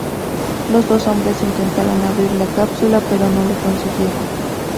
Los dos hombres intentaron abrir la cápsula, pero no lo consiguieron.